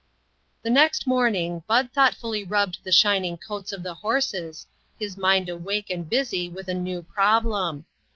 The next morning, Bud thoughtfully rub bed the shining coats of the horses, his mind awake and busy with a new problem.